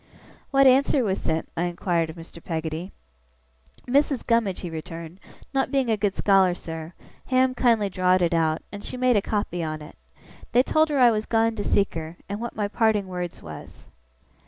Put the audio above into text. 'What answer was sent?' I inquired of Mr. Peggotty. 'Missis Gummidge,' he returned, 'not being a good scholar, sir, Ham kindly drawed it out, and she made a copy on it. They told her I was gone to seek her, and what my parting words was.